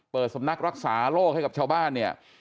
สำนักรักษาโรคให้กับชาวบ้านเนี่ย